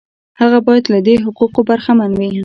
هغه باید له دې حقوقو برخمن وي.